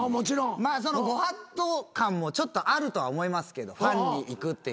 まあご法度感もちょっとあるとは思いますけどファンにいくっていうのは。